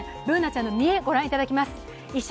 Ｂｏｏｎａちゃんの見得、ご覧いただきます。